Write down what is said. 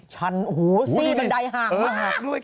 ชั้นโอ้โฮสี่บันไดห่างมาก